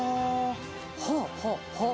はあはあはあ？